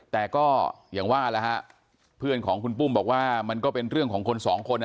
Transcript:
แต่ก็อย่างว่าแล้วฮะเพื่อนของคุณปุ้มบอกว่ามันก็เป็นเรื่องของคนสองคน